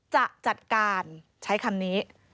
จะจัดการใช้คำนี้